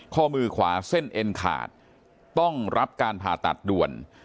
ข้อมือขวาเส้นเอ็นขาดต้องรับการผ่าตัดด่วน